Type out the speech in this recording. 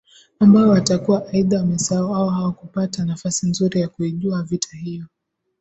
ambao watakuwa aidha wamesahau au hawakupata nafasi nzuri ya kuijua vita hiyo